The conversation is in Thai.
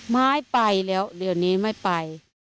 ไม้ไปแล้วเดี๋ยวนี้ไม่ไป